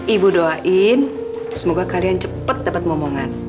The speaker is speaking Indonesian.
ibu doain semoga kalian cepat dapat momongan